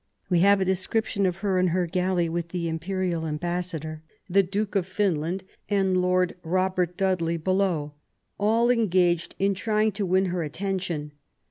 We have a de scription of her, in her galley, with the imperial ambassador, the Duke of Finland, and Lord Robert Dudley below — all engaged in trying to win her attention.